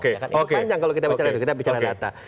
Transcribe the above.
ini panjang kalau kita bicara itu kita bicara data